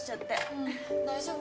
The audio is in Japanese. うん大丈夫？